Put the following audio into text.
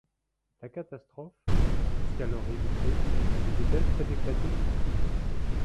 La catastrophe, jusqu’alors évitée, était-elle près d’éclater ?